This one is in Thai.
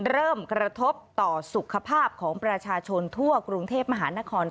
เริ่มกระทบต่อสุขภาพของประชาชนทั่วกรุงเทพมหานคร